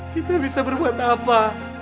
kita bisa berbuat apa